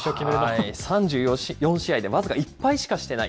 ３４試合で僅か１敗しかしてない。